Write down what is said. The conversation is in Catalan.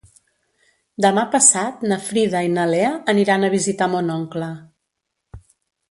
Demà passat na Frida i na Lea aniran a visitar mon oncle.